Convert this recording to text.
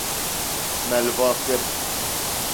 Me li ba kir.